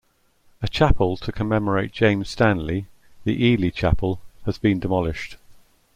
A chapel to commemorate James Stanley, the Ely Chapel, has been demolished.